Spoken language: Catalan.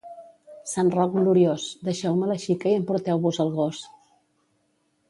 Sant Roc gloriós, deixeu-me la xica i emporteu-vos el gos.